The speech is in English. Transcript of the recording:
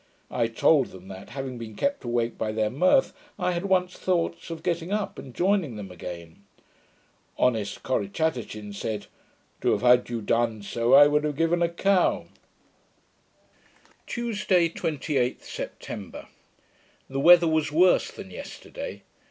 I told them, that, having been kept awake by their mirth, I had once thoughts of getting up, and joining them again. Honest Corrichatachin said, 'To have had you done so, I would have given a cow.' Tuesday, 28th September The weather was worse than yesterday.